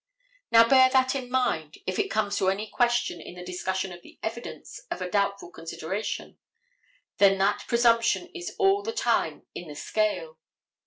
Now, bear that in mind, if it comes to any question in the discussion of the evidence of a doubtful consideration, then that presumption is all the time in the scale.